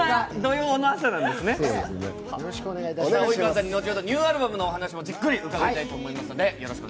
及川さんには後ほどニューアルバムのお話もじっくり伺いたいと思います。